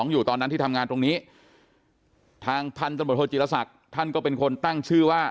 อยู่ตอนนั้นที่ทำงานตรงนี้ทางพันธบทโทจิลศักดิ์ท่านก็เป็นคนตั้งชื่อว่า